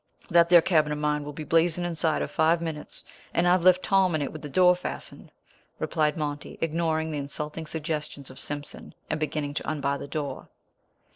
"That there cabin of mine will be blazing inside of five minutes, and I've left Tom in it with the door fastened," replied Monty, ignoring the insulting suggestions of Simpson, and beginning to unbar the door.